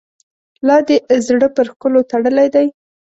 لا دي زړه پر ښکلو تړلی دی.